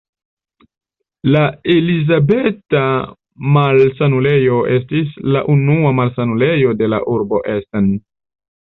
La Elizabeta-Malsanulejo estis la unua malsanulejo de la urbo Essen.